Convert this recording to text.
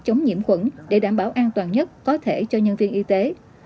chống nhiễm khuẩn để đảm bảo an toàn nhất có thể cho nhân viên y tế